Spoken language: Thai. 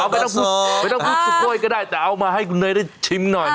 ไม่ต้องพูดสุโค้ยก็ได้แต่เอามาให้คุณเนยได้ชิมหน่อย